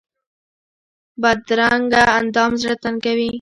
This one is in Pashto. بدرنګه اندام زړه تنګوي